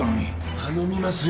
頼みますよ